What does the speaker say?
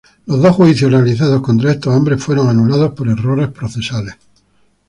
Los dos juicios realizados contra estos hombres fueron anulados por errores procesales.